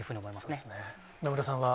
そうですね、今村さんは？